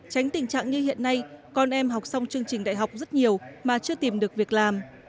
tránh tình trạng như hiện nay con em học xong chương trình đại học rất nhiều mà chưa tìm được việc làm